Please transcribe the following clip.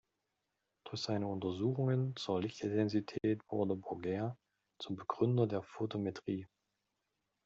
Durch seine Untersuchungen zur Lichtintensität wurde Bouguer zum Begründer der Fotometrie.